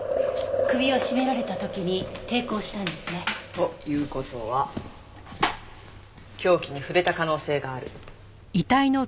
首を絞められた時に抵抗したんですね。という事は凶器に触れた可能性がある。